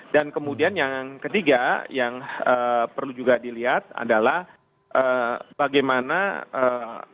dan kemudian yang ketiga yang perlu juga dilihat adalah bagaimana pengakuan ini tidak kemudian memunculkan masalah antar kedua negara